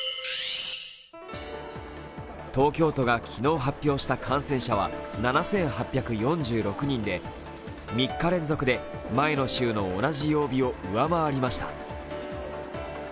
東京都が昨日発表した感染者は７８４６人で３日連続で前の週の同じ曜日を上回りました。